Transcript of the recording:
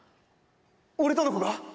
俺との子が？